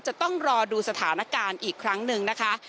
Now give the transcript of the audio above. จะต้องรอดูสถานการณ์อีกครั้งหนึ่งนะคะ